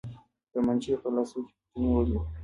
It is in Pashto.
تمانچې يې په لاسو کې پټې نيولې وې.